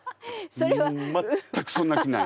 全くそんな気ない！